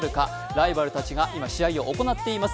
ライバルたちが今試合を行っています。